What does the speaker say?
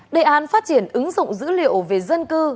đề án phát triển ứng dụng dữ liệu về dân cư